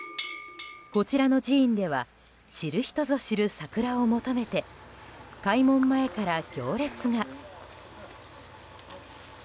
こちらの寺院では知る人ぞ知る桜を求めて開門前から行列が。